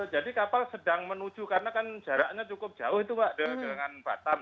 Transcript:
jadi kapal sedang menuju karena kan jaraknya cukup jauh itu pak dengan batam